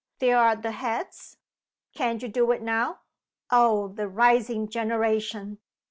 There are the heads. Can't you do it now? Oh, the rising generation!